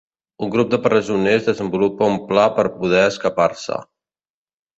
Un grup de presoners desenvolupa un pla per poder escapar-se.